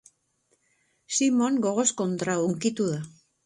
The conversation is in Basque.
Simon gogoz kontra hunkitu da.